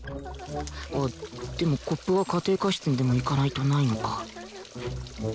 あっでもコップは家庭科室にでも行かないとないのか